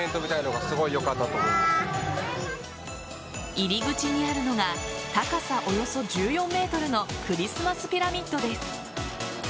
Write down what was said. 入り口にあるのが高さおよそ１４ｍのクリスマスピラミッドです。